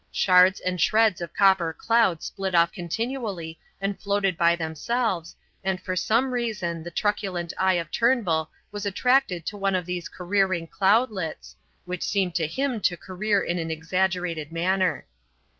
Shards and shreds of copper cloud split off continually and floated by themselves, and for some reason the truculent eye of Turnbull was attracted to one of these careering cloudlets, which seemed to him to career in an exaggerated manner.